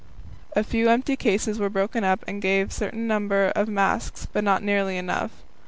A few empty cases were broken up and gave a certain number of marks, but not nearly enough.